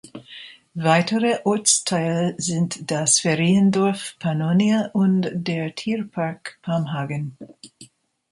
Weitere Ortsteile sind das Feriendorf Pannonia und der Tierpark Pamhagen.